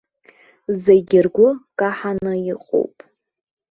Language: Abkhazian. Зегь ргәы каҳаны иҟоуп.